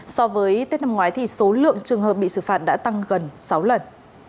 so với tết năm ngoái thì số lượng trường hợp bị xử phạt đã tăng gần sáu lần